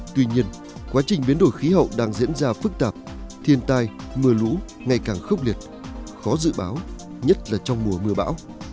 tuy nhiên quá trình biến đổi khí hậu đang diễn ra phức tạp thiên tai mưa lũ ngày càng khốc liệt khó dự báo nhất là trong mùa mưa bão